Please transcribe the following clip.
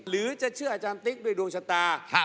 หรือจะเชื่ออาจารย์ติ๊กด้วยดวงชะตา